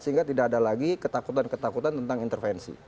sehingga tidak ada lagi ketakutan ketakutan tentang intervensi